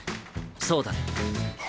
そうだね。